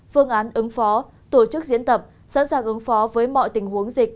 phương án ứng phó tổ chức diễn tập sẵn sàng ứng phó với mọi tình huống dịch